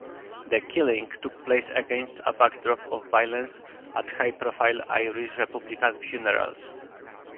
The killings took place against a backdrop of violence at high-profile Irish republican funerals.